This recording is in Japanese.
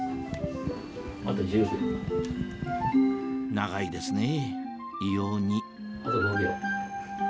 長いですね異様に